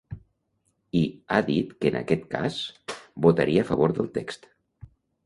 I ha dit que en aquest cas votaria a favor del text.